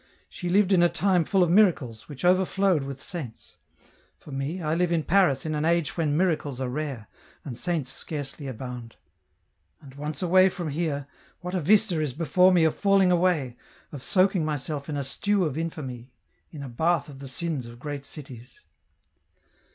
she Hved in a time full of miracles, which overflowed with Saints. For me, I live in Paris in an age when miracles are rare and Saints scarcely abound. And once away from here, what a vista is before me of falling away, of soaking myself in a stew of infamy in a bath of the sins of great cities."